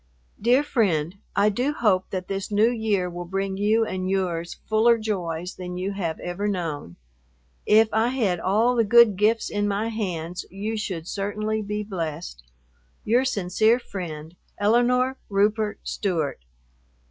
Dear friend, I do hope that this New Year will bring you and yours fuller joys than you have ever known. If I had all the good gifts in my hands you should certainly be blessed. Your sincere friend, ELINORE RUPERT STEWART.